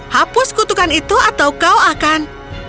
hapus kutukan itu atau kau akan